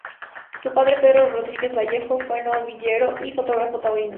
Su padre, Pedro Rodríguez Vallejo, fue novillero y fotógrafo taurino.